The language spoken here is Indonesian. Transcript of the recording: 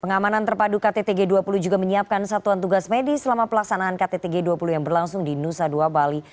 pengamanan terpadu kttg dua puluh juga menyiapkan satuan tugas medis selama pelaksanaan kttg dua puluh yang berlangsung di nusa dua bali